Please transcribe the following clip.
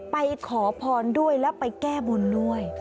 ไปขอพรด้วยแล้วไปแก้บนด้วย